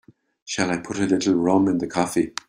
Shall I put a little rum in the coffee?